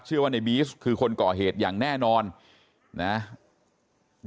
เชื่อว่าในบี๊สคือคนก่อเหตุอย่างแน่นอนนะฮะ